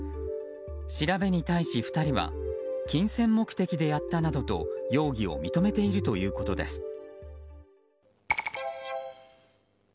調べに対し２人は金銭目的でやったなどと容疑を認めているということです。